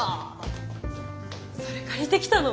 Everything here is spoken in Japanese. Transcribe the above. それ借りてきたの？